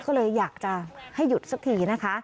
ก็เลยอยากจะให้หยุดสักทีนะคะ